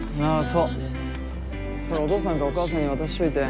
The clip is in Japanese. それお父さんかお母さんに渡しといて。